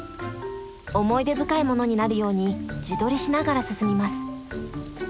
思い出深いものになるように自撮りしながら進みます。